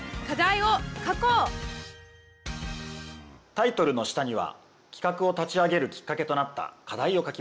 タイトルの下には企画を立ち上げるきっかけとなった課題を書きます。